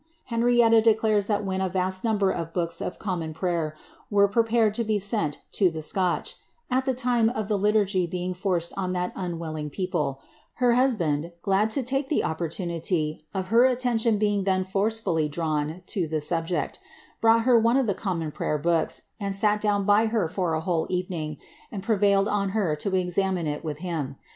Henrietta declares that when a vast number of books of Common Prayer were prepared to be sent to the Scotch, (at the time of tbe Liturgy being forced on that unwilling people,) her husband, glad to uke the opportunity of her attention being then forcibly drawn to the subject, brought her one of the Common Prayer Books, and sat down ^'her for a whole evening and prevailed on her to examine it with him.